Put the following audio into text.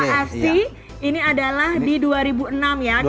afc ini adalah di dua ribu enam ya